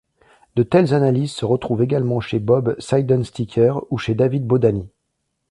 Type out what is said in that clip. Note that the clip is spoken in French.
De telles analyses se retrouvent également chez Bob Seidensticker ou chez David Bodanis.